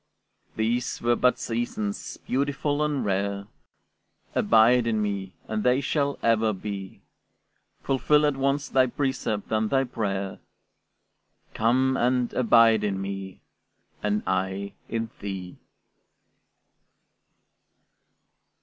These were but seasons, beautiful and rare; Abide in me, and they shall ever be. Fulfill at once thy precept and my prayer, Come, and abide in me, and I in thee.